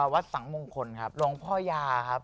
วัดสังมงคลครับหลวงพ่อยาครับ